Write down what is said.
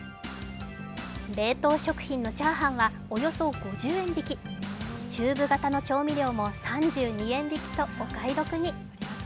冷凍食品のチャーハンは、およそ５０円引き、チューブ型の調味料も３２円引きとお買い得に。